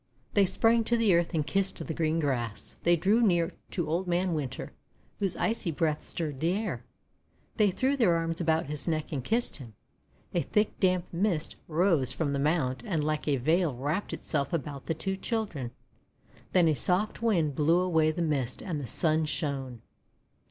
They sprang to the earth and kissed the green grass. They drew near to Old Man Winter, whose icy breath stirred the air. They threw their arms about his neck and kissed him. A thick, damp mist rose from the mound and like a veil wrapped itself about the two children. Then a soft Wind blew away the mist, and the Sun shone.